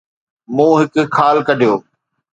مون هڪ خال ڪڍيو